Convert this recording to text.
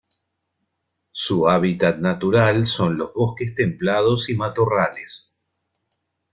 Su hábitat natural son los bosques templados y matorrales.